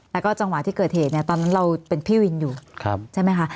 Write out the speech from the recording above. แล้วก็จังหวะที่เกิดเหตุเนี่ยตอนนั้นเราเป็นพี่วินอยู่ใช่ไหมคะ